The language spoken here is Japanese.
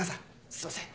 すいません。